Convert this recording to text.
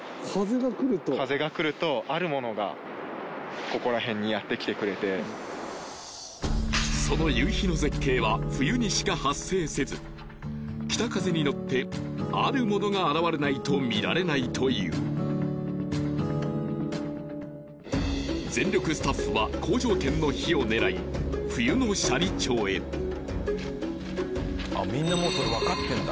風が来るとその夕日の絶景は冬にしか発生せず北風に乗ってあるモノが現れないと見られないという全力スタッフは好条件の日を狙い冬の斜里町へあっみんなもうそれ分かってんだ